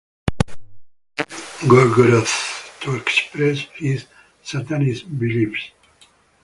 He formed Gorgoroth to express his Satanist beliefs.